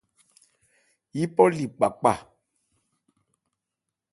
Yípɔ li kpakpâ.